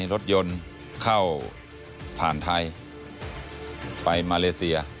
รถยนต์เข้าผ่านไทยไปมาเลเซีย